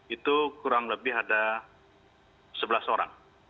itu kurang lebih ada sebelas orang